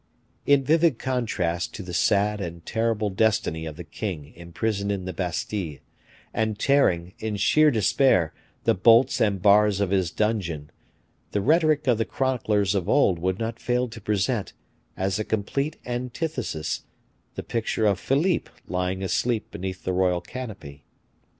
In vivid contrast to the sad and terrible destiny of the king imprisoned in the Bastile, and tearing, in sheer despair, the bolts and bars of his dungeon, the rhetoric of the chroniclers of old would not fail to present, as a complete antithesis, the picture of Philippe lying asleep beneath the royal canopy.